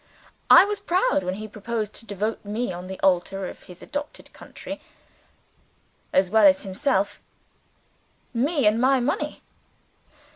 I was proud when he proposed to devote me on the altar of his adopted country, as well as himself me, and my money.